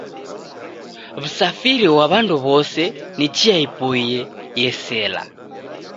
W'usafiri ghwa w'andu w'ose ni chia ipoiye yesela.